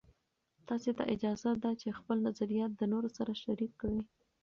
تاسې ته اجازه ده چې خپل نظریات د نورو سره شریک کړئ.